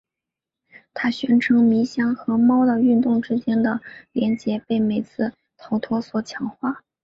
他宣称迷箱和猫的运动之间的联结被每次逃脱所强化。